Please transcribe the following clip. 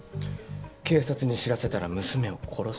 警察に知らせたら娘を殺すと。